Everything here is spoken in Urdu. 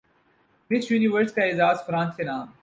مس یونیورس کا اعزاز فرانس کے نام